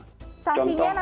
saksinya nanti seperti apa pak